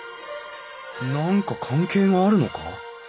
何か関係があるのか？